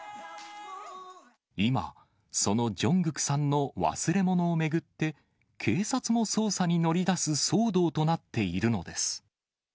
今、そのジョングクさんの忘れ物を巡って、警察も捜査に乗り出す騒動となっているのです。